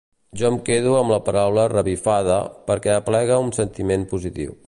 Jo em quedo amb la paraula ‘revifada’ perquè aplega un sentiment positiu.